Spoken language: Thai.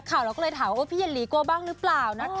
เราก็เลยถามว่าพี่เย็นหลีกลัวบ้างหรือเปล่านะคะ